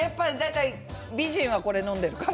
美人はこれを飲んでいるから。